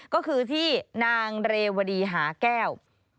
ก็คือที่นางเรวดีหาแก้ว